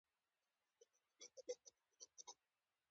ستا دا کوچنۍ کونه ګوره دا دروند کار وګوره.